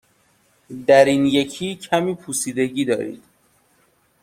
در این یکی کمی پوسیدگی دارید.